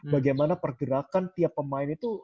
bagaimana pergerakan tiap pemain